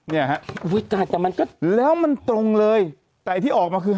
นี่นะฮะแล้วมันตรงเลยแต่ที่ออกมาคือ๕๑๗